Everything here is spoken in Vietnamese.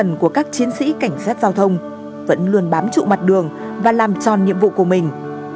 nhưng của các chiến sĩ cảnh sát giao thông vẫn luôn bám trụ mặt đường và làm tròn nhiệm vụ của mình